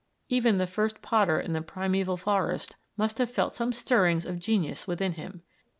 Even the first potter in the primeval forest must have felt some stirrings of genius within him.